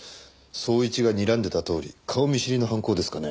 捜一がにらんでたとおり顔見知りの犯行ですかね？